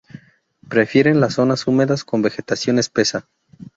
Prefieren las zonas húmedas con vegetación espesa.